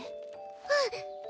うん。